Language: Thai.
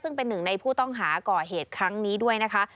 ซึ่งเป็นหนึ่งในผู้ต้องหาก่อเหตุครั้งนี้ด้วยนะคะ